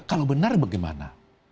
kalau benar bagaimana